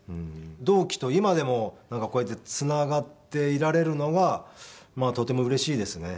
同期と今でもこうやってつながっていられるのがとてもうれしいですね。